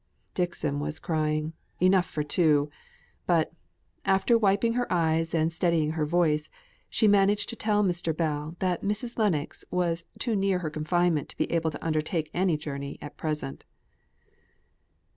Dixon was crying enough for two; but, after wiping her eyes and steadying her voice, she managed to tell Mr. Bell, that Mrs. Lennox was too near her confinement to be able to undertake any journey at present.